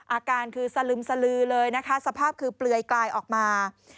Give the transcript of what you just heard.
อาการคือสลึมสลือเลยนะคะสภาพคือเปลือยกลายออกมา